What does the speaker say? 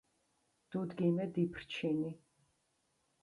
დუდგიმე დიფრჩინი.